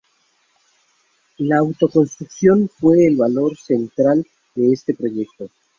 La autoconstrucción fue el valor central de este proyecto.